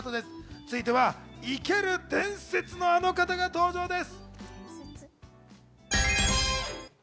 続いては生きる伝説のあの方が登場です。